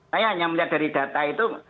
saya hanya melihat dari data itu